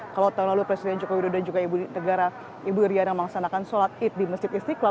kalau tahun lalu presiden jokowi dan juga ibu negara ibu iria yang mengaksanakan sholat id di mesir istiqlal